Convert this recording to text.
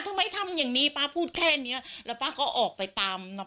ทำไมทำอย่างนี้ป๊าพูดแค่เนี้ยแล้วป้าก็ออกไปตามน้อง